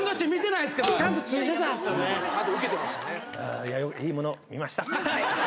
いいものを見ました。